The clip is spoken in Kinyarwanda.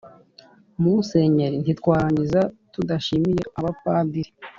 musenyeri, ntitwarangiza tudashimiye abapadiri